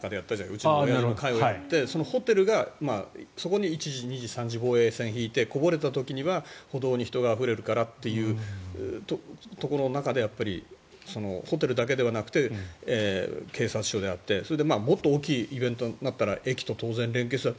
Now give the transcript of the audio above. うちのおやじの会をやってそのホテルがそこに１次、２次、３次防衛線を敷いてこぼれた時には歩道に人があふれるからっていうところの中でホテルだけではなくて警察署であってもっと大きいイベントになったら駅と連携する。